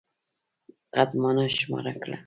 قدمانه شماره کړه.